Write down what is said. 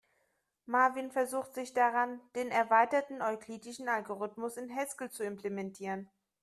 Marvin versucht sich daran, den erweiterten euklidischen Algorithmus in Haskell zu implementieren.